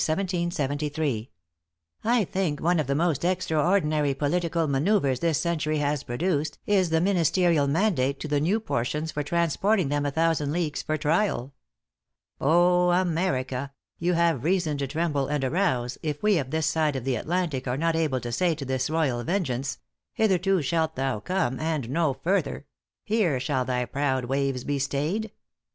1773, "I think one of the most extraordinary political manouvres this century has produced, is the ministerial mandate to the Newportians for transporting them a thousand leagues for trial. Oh, America! you have reason to tremble and arouse, if we of this side of the Atlantic are not able to say to this Royal Vengeance hitherto shalt thou come and no further; here shall thy proud waves be stayed!